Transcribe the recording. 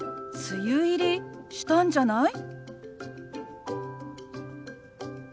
梅雨入りしたんじゃない？